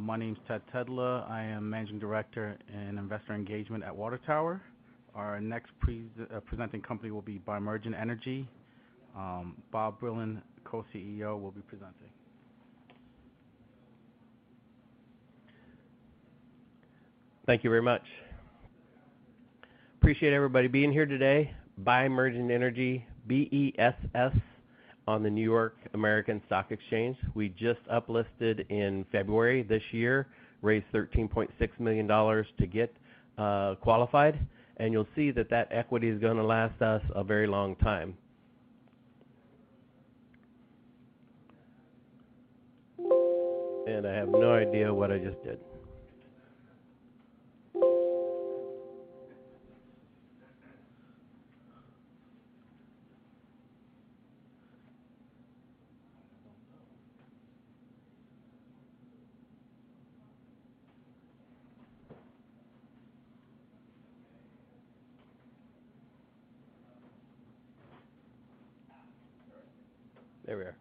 My name's Ted Tedla. I am Managing Director in Investor Engagement at Water Tower. Our next presenting company will be Bimergen Energy. Bob Brilon, Co-CEO, will be presenting. Thank you very much. Appreciate everybody being here today. Bimergen Energy, BESS, on the New York American Stock Exchange. We just up-listed in February this year, raised $13.6 million to get qualified. You'll see that equity is going to last us a very long time. I have no idea what I just did. There we are.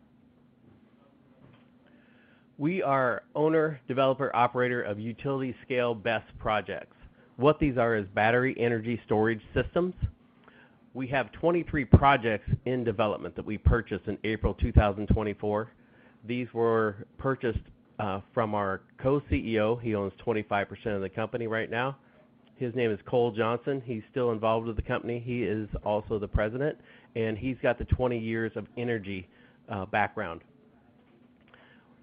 We are owner, developer, operator of utility-scale BESS projects. What these are is battery energy storage systems. We have 23 projects in development that we purchased in April 2024. These were purchased from our Co-CEO. He owns 25% of the company right now. His name is Cole Johnson. He's still involved with the company. He is also the President, and he's got the 20 years of energy background.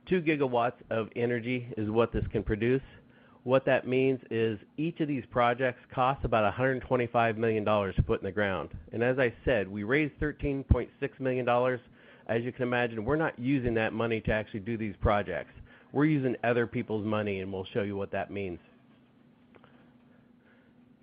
Two gigawatts of energy is what this can produce. What that means is each of these projects cost about $125 million to put in the ground. As I said, we raised $13.6 million. As you can imagine, we're not using that money to actually do these projects. We're using other people's money, and we'll show you what that means.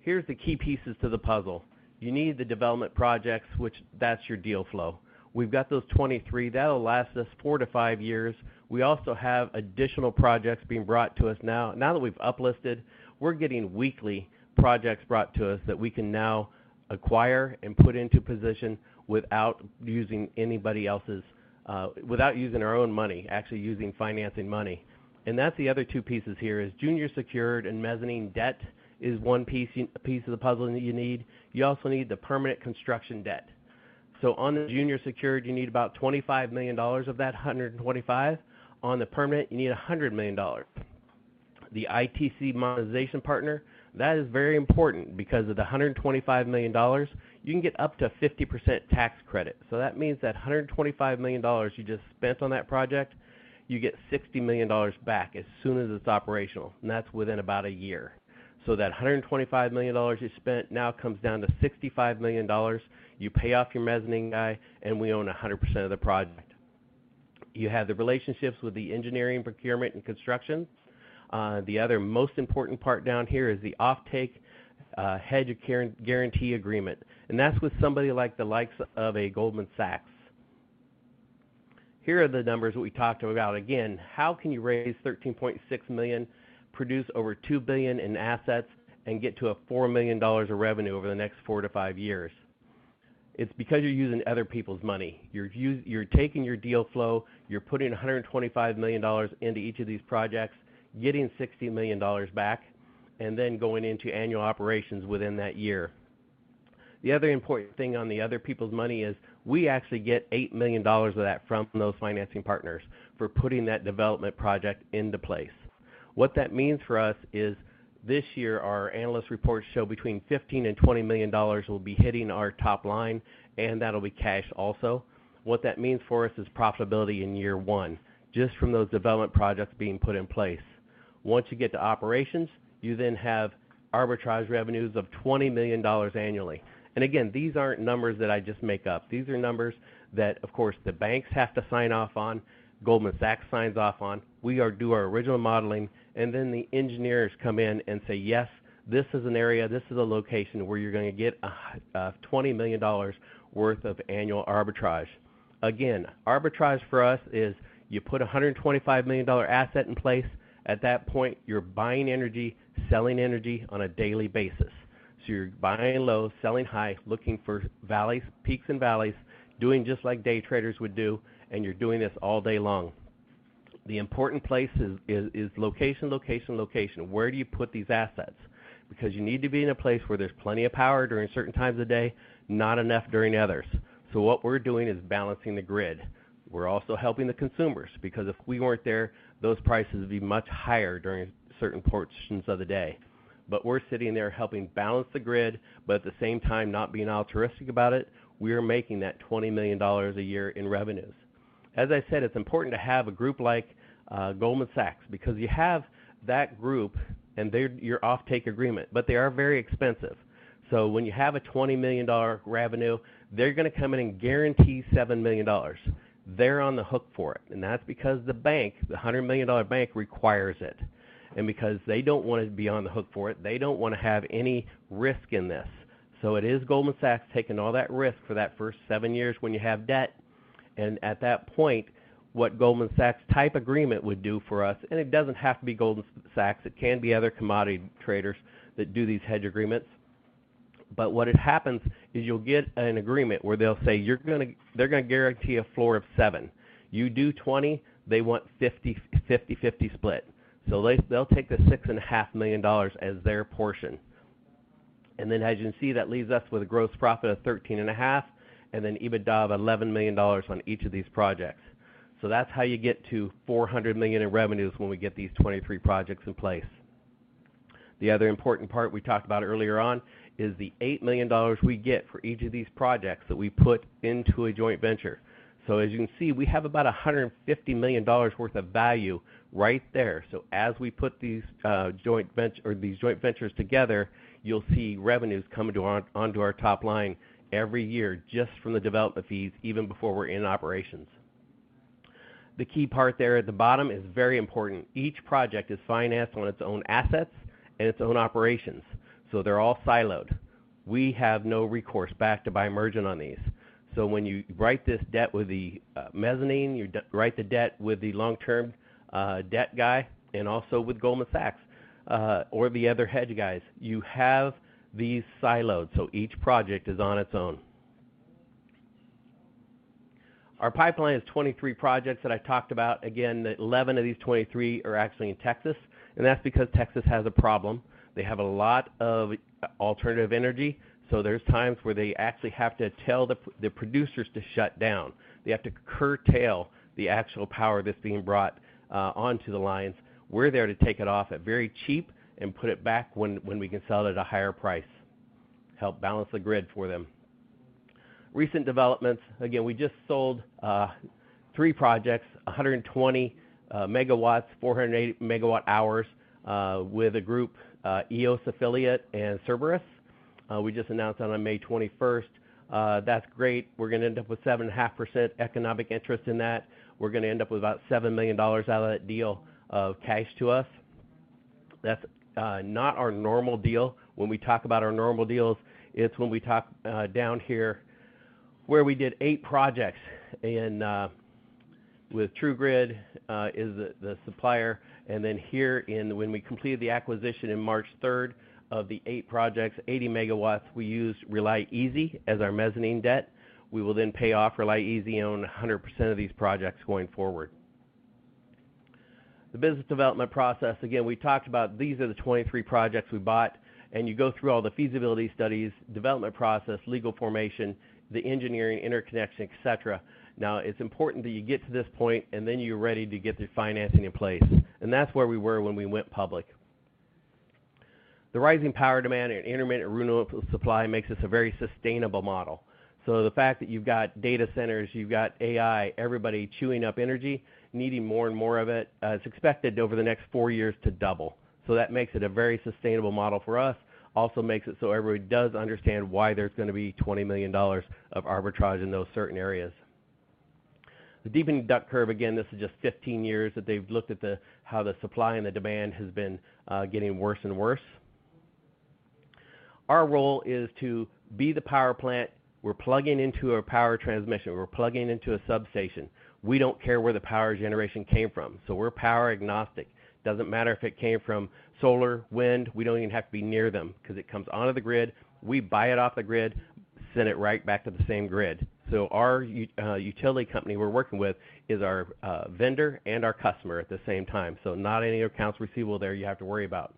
Here's the key pieces to the puzzle. You need the development projects, which that's your deal flow. We've got those 23. That'll last us four to five years. We also have additional projects being brought to us now. Now that we've up-listed, we're getting weekly projects brought to us that we can now acquire and put into position without using our own money, actually using financing money. That's the other two pieces here is junior secured and mezzanine debt is one piece of the puzzle that you need. You also need the permanent construction debt. On the junior secured, you need about $25 million of that $125 million. On the permanent, you need $100 million. The ITC monetization partner, that is very important because of the $125 million, you can get up to 50% tax credit. That means that $125 million you just spent on that project, you get $60 million back as soon as it's operational, and that's within about a year. That $125 million you spent now comes down to $65 million. You pay off your mezzanine guy, we own 100% of the project. You have the relationships with the engineering, procurement, and construction. The other most important part down here is the offtake hedge guarantee agreement. That's with somebody like the likes of a Goldman Sachs. Here are the numbers that we talked about. How can you raise $13.6 million, produce over $2 billion in assets, and get to a $400 million of revenue over the next four to five years? It's because you're using other people's money. You're taking your deal flow, you're putting $125 million into each of these projects, getting $60 million back, and then going into annual operations within that year. The other important thing on the other people's money is we actually get $8 million of that from those financing partners for putting that development project into place. What that means for us is this year, our analyst reports show between $15 million and $20 million will be hitting our top line, and that'll be cash also. What that means for us is profitability in year one, just from those development projects being put in place. Once you get to operations, you then have arbitrage revenues of $20 million annually. Again, these aren't numbers that I just make up. These are numbers that, of course, the banks have to sign off on, Goldman Sachs signs off on. We do our original modeling, and then the engineers come in and say, "Yes, this is an area. This is a location where you're going to get $20 million worth of annual arbitrage." Again, arbitrage for us is you put a $125 million asset in place. At that point, you're buying energy, selling energy on a daily basis. You're buying low, selling high, looking for peaks and valleys, doing just like day traders would do, and you're doing this all day long. The important place is location, location. Where do you put these assets? You need to be in a place where there's plenty of power during certain times of day, not enough during others. What we're doing is balancing the grid. We're also helping the consumers, because if we weren't there, those prices would be much higher during certain portions of the day. We're sitting there helping balance the grid, but at the same time not being altruistic about it. We are making that $20 million a year in revenues. As I said, it's important to have a group like Goldman Sachs, because you have that group and your offtake agreement, but they are very expensive. When you have a $20 million revenue, they're going to come in and guarantee $7 million. They're on the hook for it. That's because the bank, the $100 million bank, requires it. Because they don't want to be on the hook for it, they don't want to have any risk in this. It is Goldman Sachs taking all that risk for that first seven years when you have debt. At that point, what Goldman Sachs type agreement would do for us, and it doesn't have to be Goldman Sachs, it can be other commodity traders that do these hedge agreements. What happens is you'll get an agreement where they're going to guarantee a floor of seven. You do 20, they want a 50/50 split. They'll take the $6.5 million as their portion. Then as you can see, that leaves us with a gross profit of $13.5 million and then EBITDA of $11 million on each of these projects. That's how you get to $400 million in revenues when we get these 23 projects in place. The other important part we talked about earlier on is the $8 million we get for each of these projects that we put into a joint venture. As you can see, we have about $150 million worth of value right there. As we put these joint ventures together, you'll see revenues coming onto our top line every year just from the development fees, even before we're in operations. The key part there at the bottom is very important. Each project is financed on its own assets and its own operations. They're all siloed. We have no recourse back to Bimergen on these. When you write this debt with the mezzanine, you write the debt with the long-term debt guy and also with Goldman Sachs or the other hedge guys. You have these siloed, each project is on its own. Our pipeline is 23 projects that I've talked about. Again, 11 of these 23 are actually in Texas, and that's because Texas has a problem. They have a lot of alternative energy, there's times where they actually have to tell the producers to shut down. They have to curtail the actual power that's being brought onto the lines. We're there to take it off at very cheap and put it back when we can sell it at a higher price, help balance the grid for them. Recent developments. Again, we just sold three projects, 120 megawatts, 480 megawatt hours, with a group, Eos Affiliate and Cerberus. We just announced that on May 21st. That's great. We're going to end up with 7.5% economic interest in that. We're going to end up with about $7 million out of that deal of cash to us. That's not our normal deal. When we talk about our normal deals, it's when we talk down here where we did eight projects with True Grid is the supplier. Here when we completed the acquisition on March 3rd of the eight projects, 80 megawatts, we used RelyEZ as our mezzanine debt. We will then pay off RelyEZ on 100% of these projects going forward. The business development process, again, we talked about these are the 23 projects we bought, you go through all the feasibility studies, development process, legal formation, the engineering, interconnection, et cetera. It's important that you get to this point, then you're ready to get the financing in place. That's where we were when we went public. The rising power demand and intermittent renewable supply makes this a very sustainable model. The fact that you've got data centers, you've got AI, everybody chewing up energy, needing more and more of it's expected over the next four years to double. That makes it a very sustainable model for us. Also makes it so everybody does understand why there's going to be $20 million of arbitrage in those certain areas. The deepening duck curve, again, this is just 15 years that they've looked at how the supply and the demand has been getting worse and worse. Our role is to be the power plant. We're plugging into a power transmission. We're plugging into a substation. We don't care where the power generation came from. We're power agnostic. Doesn't matter if it came from solar, wind. We don't even have to be near them because it comes onto the grid. We buy it off the grid, send it right back to the same grid. Our utility company we're working with is our vendor and our customer at the same time. Not any accounts receivable there you have to worry about.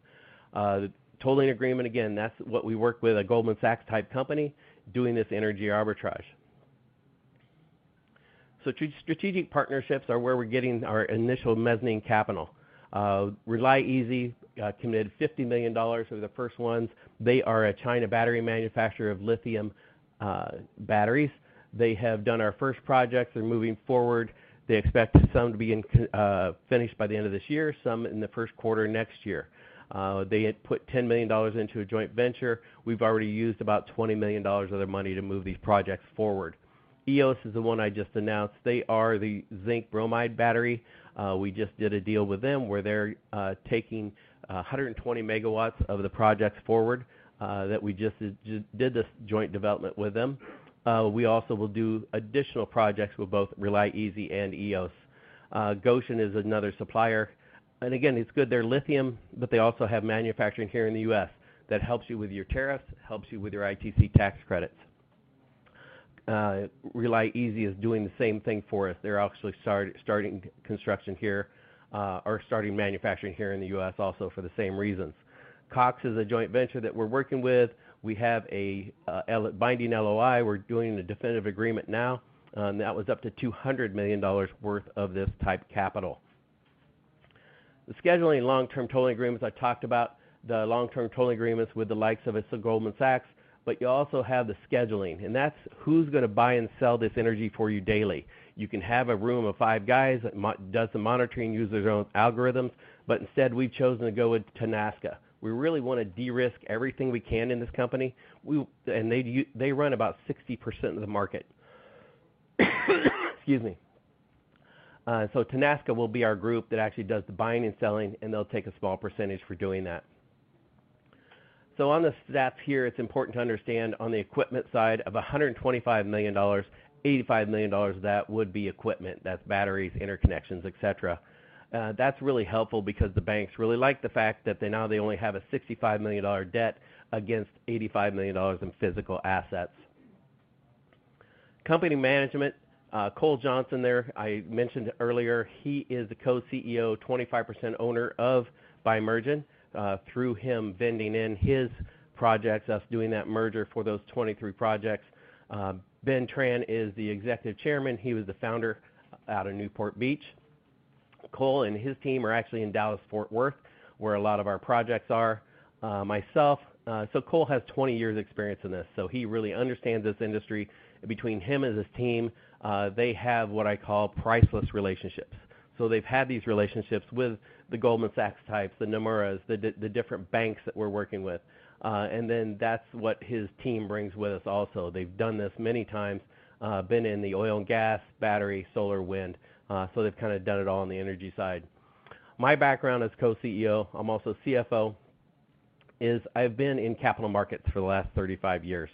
The tolling agreement, again, that's what we work with a Goldman Sachs-type company doing this energy arbitrage. Strategic partnerships are where we're getting our initial mezzanine capital. RelyEZ committed $50 million for the first ones. They are a China battery manufacturer of lithium batteries. They have done our first projects. They're moving forward. They expect some to be finished by the end of this year, some in the first quarter next year. They had put $10 million into a joint venture. We've already used about $20 million of their money to move these projects forward. Eos is the one I just announced. They are the zinc bromide battery. We just did a deal with them where they're taking 120 MW of the projects forward that we just did this joint development with them. We also will do additional projects with both RelyEZ and Eos. Gotion is another supplier. Again, it's good they're lithium, but they also have manufacturing here in the U.S. that helps you with your tariffs, helps you with your ITC tax credits. RelyEZ is doing the same thing for us. They're actually starting construction here or starting manufacturing here in the U.S. also for the same reasons. Cox is a joint venture that we're working with. We have a binding LOI. We're doing the definitive agreement now. That was up to $200 million worth of this type capital. The scheduling long-term tolling agreements, I talked about the long-term tolling agreements with the likes of Goldman Sachs, but you also have the scheduling, and that's who's going to buy and sell this energy for you daily. You can have a room of five guys that does the monitoring, use their own algorithms, but instead, we've chosen to go with Tenaska. We really want to de-risk everything we can in this company. They run about 60% of the market. Excuse me. Tenaska will be our group that actually does the buying and selling, and they'll take a small percentage for doing that. On the stats here, it's important to understand on the equipment side of $125 million, $85 million of that would be equipment. That's batteries, interconnections, et cetera. That's really helpful because the banks really like the fact that now they only have a $65 million debt against $85 million in physical assets. Company management, Cole Johnson there, I mentioned earlier, he is the Co-CEO, 25% owner of Bimergen through him vending in his projects, us doing that merger for those 23 projects. Ben Tran is the Executive Chairman. He was the founder out of Newport Beach. Cole and his team are actually in Dallas Fort Worth, where a lot of our projects are. Myself. Cole has 20 years experience in this, so he really understands this industry. Between him and his team, they have what I call priceless relationships. They've had these relationships with the Goldman Sachs types, the Nomura, the different banks that we're working with. Then that's what his team brings with us also. They've done this many times, been in the oil and gas, battery, solar, wind. They've kind of done it all on the energy side. My background as Co-CEO, I'm also CFO, is I've been in capital markets for the last 35 years.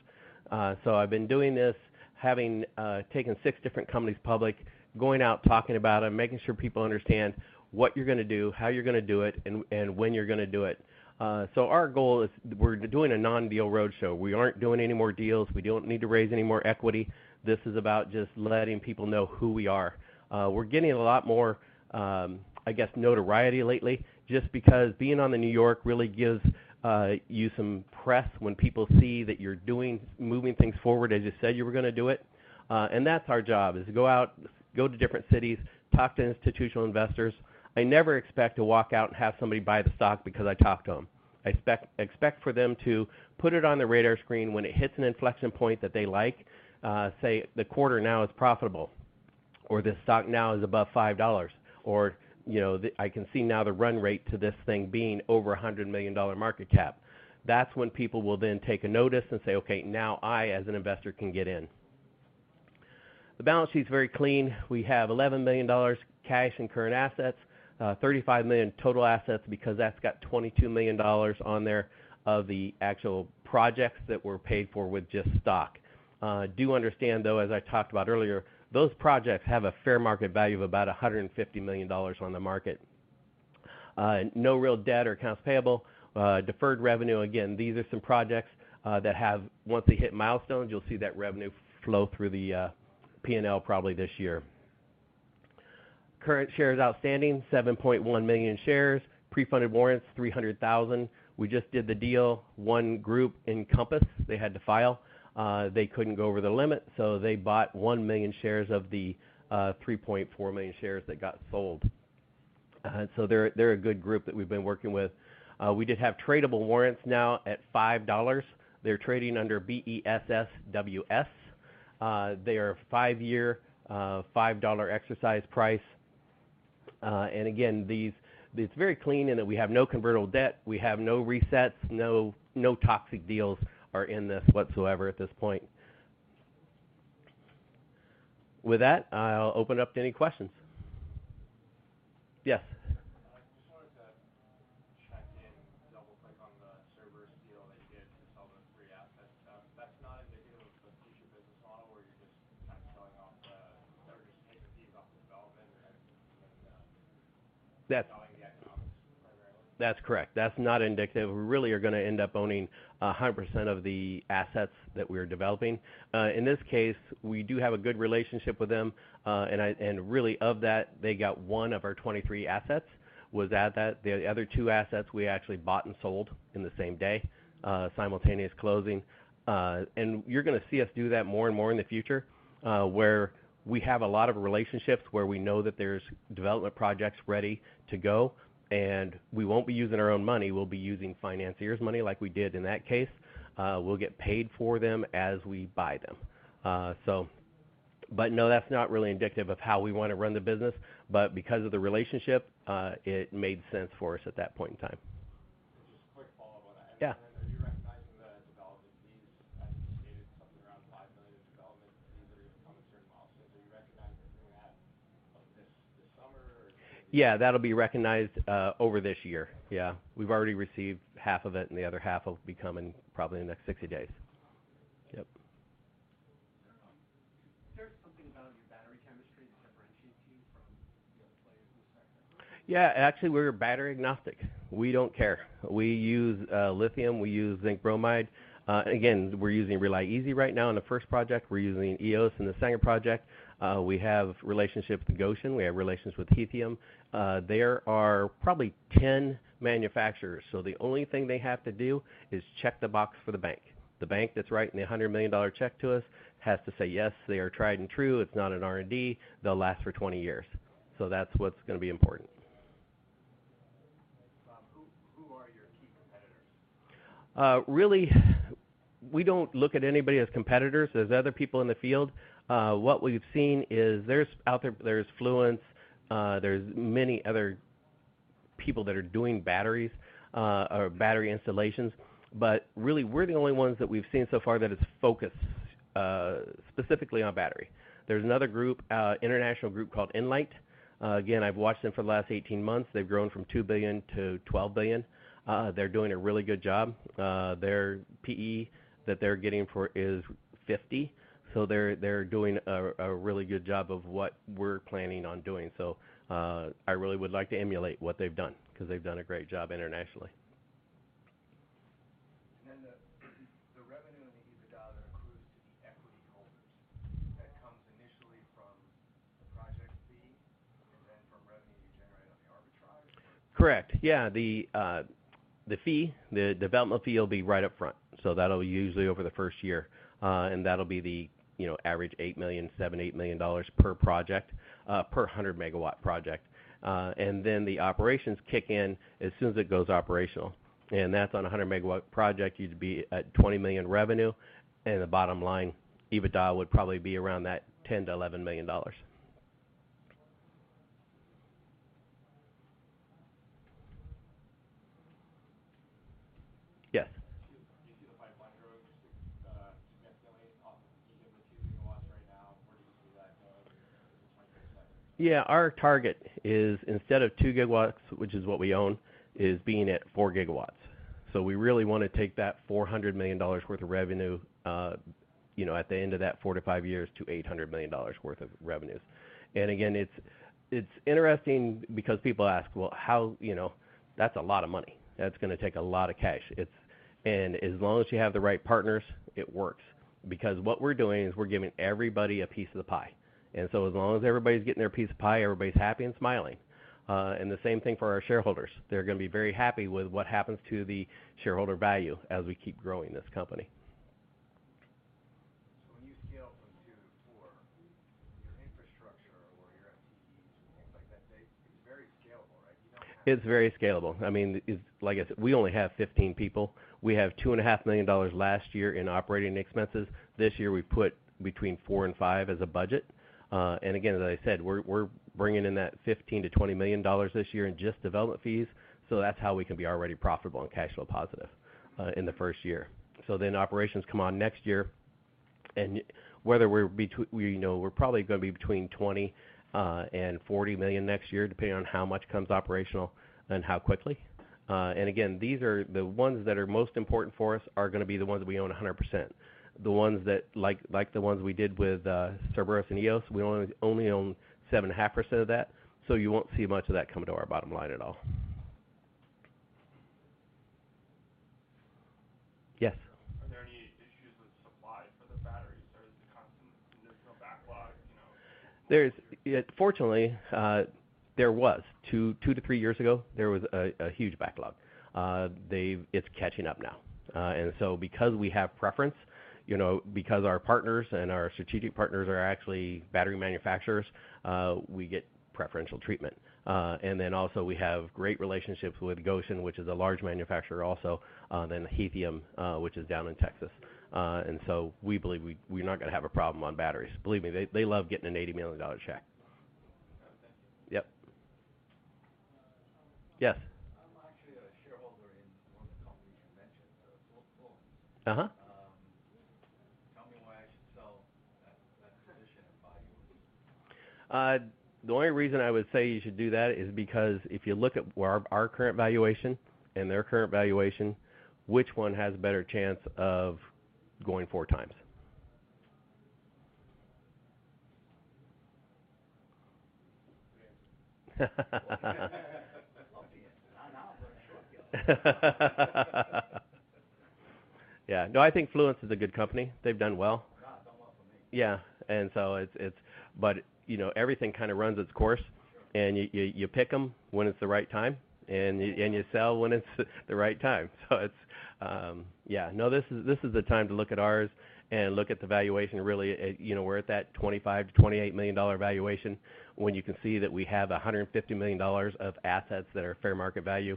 I've been doing this, having taken six different companies public, going out, talking about them, making sure people understand what you're going to do, how you're going to do it, and when you're going to do it. Our goal is we're doing a non-deal roadshow. We aren't doing any more deals. We don't need to raise any more equity. This is about just letting people know who we are. We're getting a lot more notoriety lately just because being on the New York really gives you some press when people see that you're moving things forward, as you said you were going to do it. That's our job is to go out, go to different cities, talk to institutional investors. I never expect to walk out and have somebody buy the stock because I talked to them. I expect for them to put it on the radar screen when it hits an inflection point that they like. Say the quarter now is profitable, or this stock now is above $5, or I can see now the run rate to this thing being over $100 million market cap. That's when people will then take a notice and say, "Okay, now I, as an investor, can get in." The balance sheet's very clean. We have $11 million cash and current assets, $35 million total assets because that's got $22 million on there of the actual projects that were paid for with just stock. Do understand, though, as I talked about earlier, those projects have a fair market value of about $150 million on the market. No real debt or accounts payable. Deferred revenue, again, these are some projects that once they hit milestones, you'll see that revenue flow through the P&L probably this year. Current shares outstanding, 7.1 million shares. Pre-funded warrants, 300,000. We just did the deal. One group, Encompass, they had to file. They couldn't go over the limit, so they bought one million shares of the 3.4 million shares that got sold. They're a good group that we've been working with. We did have tradable warrants now at $5. They're trading under BESS.WS. They are five-year, $5 exercise price. Again, it's very clean in that we have no convertible debt. We have no resets. No toxic deals are in this whatsoever at this point. With that, I'll open up to any questions. Yes. I just wanted to check in, double-click on the Cerberus deal that you did to sell those three assets. That's not indicative of the future business model where you're just kind of selling off the, that we're just taking a fee off the development and then selling the economics furthermore? That's correct. That's not indicative. We really are going to end up owning 100% of the assets that we are developing. In this case, we do have a good relationship with them. Really of that, they got one of our 23 assets was at that. The other two assets we actually bought and sold in the same day, simultaneous closing. You're going to see us do that more and more in the future, where we have a lot of relationships, where we know that there's development projects ready to go, and we won't be using our own money. We'll be using financiers' money like we did in that case. We'll get paid for them as we buy them. No, that's not really indicative of how we want to run the business, but because of the relationship, it made sense for us at that point in time. Just a quick follow on that. Yeah. Are you recognizing the development fees as you stated, something around $5 million in development fees that are going to come at certain milestones. Are you recognizing that like this summer or? Yeah, that'll be recognized over this year. Yeah. We've already received half of it, and the other half will be coming probably in the next 60 days. Okay. Yep. Is there something about your battery chemistry that differentiates you from the other players in this sector? Yeah, actually, we're battery agnostic. We don't care. We use lithium. We use zinc bromide. Again, we're using RelyEZ right now on the first project. We're using Eos in the second project. We have relationships with Gotion. We have relationships with Hithium. There are probably 10 manufacturers. The only thing they have to do is check the box for the bank. The bank that's writing the $100 million check to us has to say, "Yes, they are tried and true. It's not an R&D. They'll last for 20 years." That's what's going to be important. Who are your key competitors? Really, we don't look at anybody as competitors. There's other people in the field. What we've seen is there's Fluence, there's many other people that are doing batteries or battery installations. Really, we're the only ones that we've seen so far that it's focused specifically on battery. There's another group, international group called Enlight. Again, I've watched them for the last 18 months. They've grown from $2 billion to $12 billion. They're doing a really good job. Their PE that they're getting for is 50, so they're doing a really good job of what we're planning on doing. I really would like to emulate what they've done because they've done a great job internationally. The revenue and the EBITDA accrues to the equity holders. That comes initially from the project fee and then from revenue you generate on the arbitrage? Correct. Yeah, the development fee will be right up front. That'll be usually over the first year. That'll be the average $7 million-$8 million per 100-megawatt project. The operations kick in as soon as it goes operational, and that's on a 100-megawatt project, you'd be at $20 million revenue, and the bottom line EBITDA would probably be around that $10 million to $11 million. Yes. Do you see the pipeline growing to 2 gigawatts right now? Where do you see that going in 2027? Yeah. Our target is instead of 2 gigawatts, which is what we own, is being at 4 gigawatts. We really want to take that $400 million worth of revenue, at the end of that four to five years to $800 million worth of revenues. Again, it's interesting because people ask, "Well, that's a lot of money. That's going to take a lot of cash." As long as you have the right partners, it works. Because what we're doing is we're giving everybody a piece of the pie. As long as everybody's getting their piece of pie, everybody's happy and smiling. The same thing for our shareholders. They're going to be very happy with what happens to the shareholder value as we keep growing this company. When you scale from two to four, your infrastructure or your FTEs and things like that, it's very scalable, right? You don't have It's very scalable. Like I said, we only have 15 people. We have $2.5 million last year in operating expenses. This year we put between four and five as a budget. Again, as I said, we're bringing in that $15 million to $20 million this year in just development fees. Operations come on next year and we're probably going to be between $20 million and $40 million next year, depending on how much comes operational and how quickly. Again, the ones that are most important for us are going to be the ones that we own 100%. Like the ones we did with Cerberus and Eos, we only own 7.5% of that, so you won't see much of that coming to our bottom line at all. Yes. Are there any issues with supply for the batteries or is it constant, conditional backlog? Fortunately, there was. Two to three years ago, there was a huge backlog. It's catching up now. Because we have preference, because our partners and our strategic partners are actually battery manufacturers, we get preferential treatment. Also we have great relationships with Gotion, which is a large manufacturer also. Hithium, which is down in Texas. We believe we're not going to have a problem on batteries. Believe me, they love getting an $80 million check. Okay. Yep. Yes. I'm actually a shareholder in one of the companies you mentioned, Fluence. Tell me why I should sell that position and buy yours. The only reason I would say you should do that is because if you look at our current valuation and their current valuation, which one has a better chance of going four times? Good answer. Not now, but shortly. Yeah. No, I think Fluence is a good company. They've done well. Yeah, it's done well for me. Yeah. Everything kind of runs its course. Sure You pick them when it's the right time, and you sell when it's the right time. Yeah, no, this is the time to look at ours and look at the valuation, really. We're at that $25 million-$28 million valuation when you can see that we have $150 million of assets that are fair market value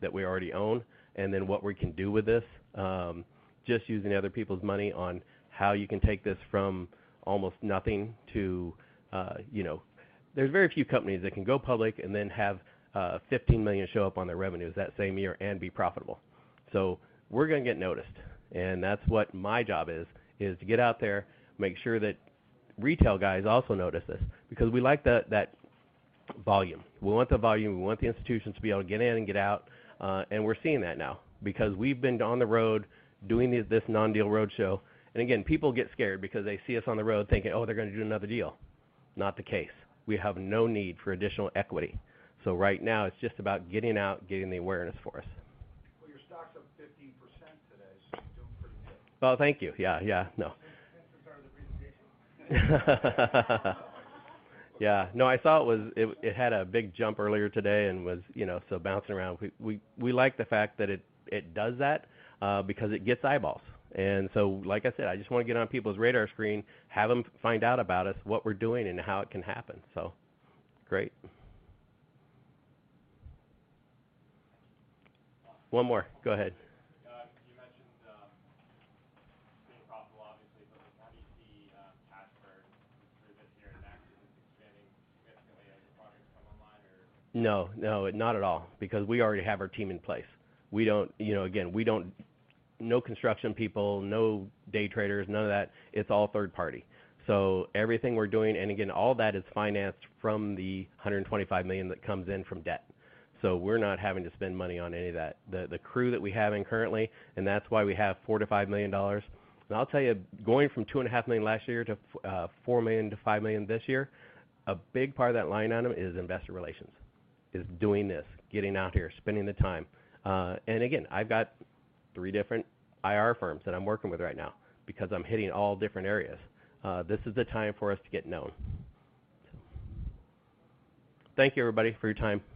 that we already own. Then what we can do with this, just using other people's money on how you can take this from almost nothing to There's very few companies that can go public and then have $15 million show up on their revenues that same year and be profitable. We're going to get noticed, and that's what my job is to get out there, make sure that retail guys also notice this, because we like that volume. We want the volume, we want the institutions to be able to get in and get out. We're seeing that now because we've been on the road doing this non-deal roadshow. Again, people get scared because they see us on the road thinking, oh, they're going to do another deal. Not the case. We have no need for additional equity. Right now it's just about getting out, getting the awareness for us. Well, your stock's up 15% today, you're doing pretty good. Oh, thank you. Yeah. No. Since the start of the presentation. Yeah. No, I saw it had a big jump earlier today and was still bouncing around. We like the fact that it does that because it gets eyeballs. Like I said, I just want to get on people's radar screen, have them find out about us, what we're doing, and how it can happen. Great. One more. Go ahead. You mentioned being profitable obviously, how do you see cash burn through this year and next with expanding as your projects come online or? No. Not at all. We already have our team in place. No construction people, no day traders, none of that. It's all third party. Everything we're doing, and again, all that is financed from the $125 million that comes in from debt. We're not having to spend money on any of that. The crew that we have in currently, and that's why we have $4 million to $5 million. I'll tell you, going from $2.5 million last year to $4 million to $5 million this year, a big part of that line item is investor relations. Is doing this, getting out here, spending the time. Again, I've got three different IR firms that I'm working with right now because I'm hitting all different areas. This is the time for us to get known. Thank you everybody for your time.